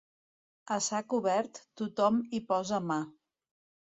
A sac obert, tothom hi posa mà.